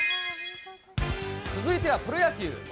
続いてはプロ野球。